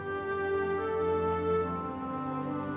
aku benar personif